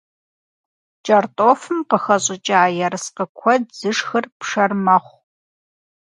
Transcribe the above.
КӀэртӀофым къыхэщӀыкӀа ерыскъы куэд зышхыр пшэр мэхъу.